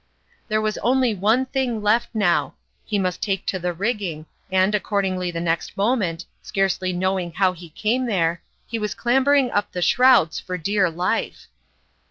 There was only one thing left now ; he must take to the rigging, and accordingly the next moment, scarcely knowing how he came there, he was clambering up the shrouds for dear life!